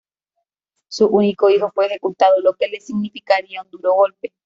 Su único hijo fue ejecutado, lo que le significaría un duro golpe.